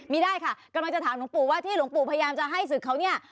ได้ค่ะกำลังจะถามหลวงปู่ว่าที่หลวงปู่พยายามจะให้ศึกเขาเนี่ย